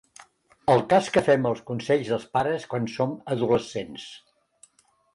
El cas que fem als consells dels pares quan som adolescents.